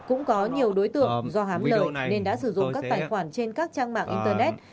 cũng có nhiều đối tượng do hám lợi nên đã sử dụng các tài khoản trên các trang mạng internet